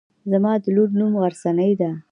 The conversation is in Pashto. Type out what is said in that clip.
زما د لور نوم غرڅنۍ دی.